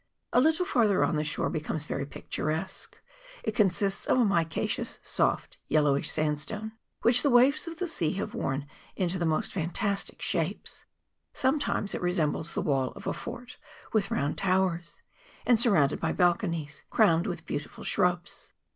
A little farther on the shore becomes very picturesque ; it consists of a micaceous, soft, yellowish sandstone, which the waves of the sea have worn into the most fantastic shapes ; sometimes it resembles the wall of a fort with round towers, and surrounded by balconies, crowned with beautiful shrubs.